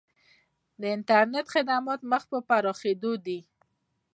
د انټرنیټ خدمات مخ په پراخیدو دي